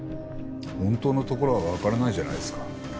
本当のところはわからないじゃないですか。